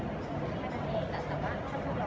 มันเป็นสิ่งที่จะให้ทุกคนรู้สึกว่า